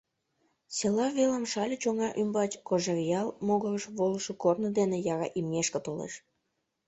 Села велым, Шале чоҥга ӱмбач, Кожеръял могырыш волышо корно дене яра имнешке толеш.